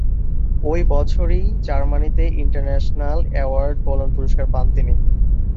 ওই বছরই জার্মানিতে ইন্টারন্যাশনাল অ্যাওয়ার্ড কোলন পুরস্কার পান তিনি।